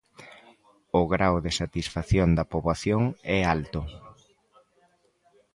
O grao de satisfacción da poboación é alto.